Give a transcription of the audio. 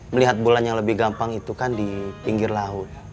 melihat bulan yang lebih gampang itu kan di pinggir laut